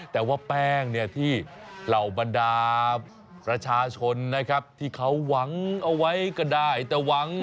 แต่ว่าแป้งเนี่ยที่เหล่าบรรดาประชาชนนะครับที่เขาหวังเอาไว้ก็ได้แต่หวัง